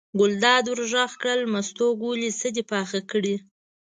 ګلداد ور غږ کړل: مستو ګلې څه دې پاخه کړي.